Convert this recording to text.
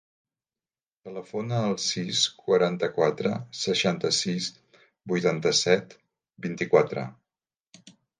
Telefona al sis, quaranta-quatre, seixanta-sis, vuitanta-set, vint-i-quatre.